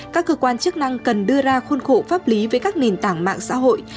các cơ quan chức năng cần đưa ra khuôn khổ pháp lý với các nền tảng mạng xã hội